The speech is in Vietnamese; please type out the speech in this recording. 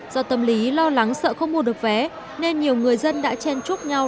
do tâm lý lo lắng sợ không mua được vé nên nhiều người dân đã chen chúc nhau